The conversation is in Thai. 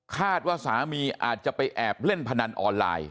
คาดว่าสามีอาจจะไปแอบเล่นพนันออนไลน์